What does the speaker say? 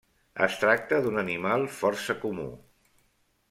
Es tracta d'un animal força comú.